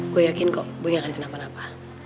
gue yakin kok gue gak akan kenapa napa